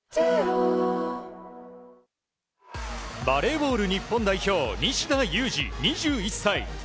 バレーボール日本代表西田有志、２１歳。